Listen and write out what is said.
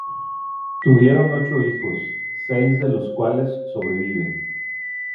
Tuvieron ocho hijos, seis de los cuales sobreviven.